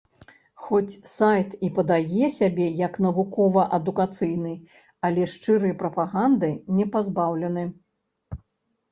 Хоць сайт і падае сябе як навукова-адукацыйны, але шчырай прапаганды не пазбаўлены.